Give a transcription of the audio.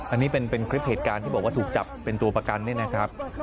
อันนี้เป็นคลิปเหตุการณ์ที่บอกว่าถูกจับเป็นตัวประกันนี่นะครับ